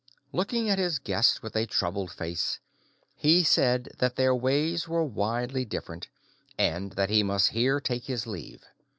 Looking at his guest with a troubled face, he said that their ways were widely different, and that he must here take his leave.